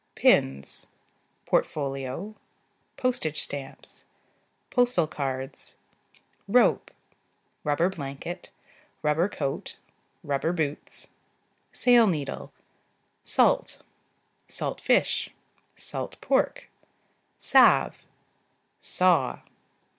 Pins. Portfolio. Postage stamps. Postal cards. Rope. Rubber blanket. " coat. " boots. Sail needle. Salt. " fish. " pork. Salve. Saw.